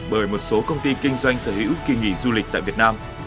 bởi một số công ty kinh doanh sở hữu kỳ nghỉ du lịch tại việt nam